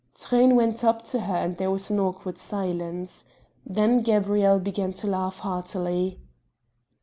Truyn went up to her and there was an awkward silence. Then Gabrielle began to laugh heartily.